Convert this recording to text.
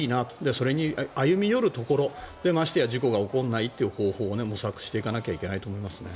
それに歩み寄るところましてや事故が起こらない方法を模索していかないといけないと思いますね。